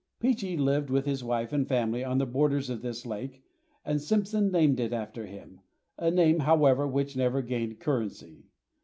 Peechee lived with his wife and family on the borders of this lake, and Simpson named it after him, a name, however, which never gained currency.